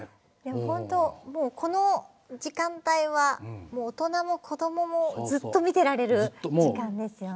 ホントこの時間帯は大人もこどももずっと見てられる時間ですよね。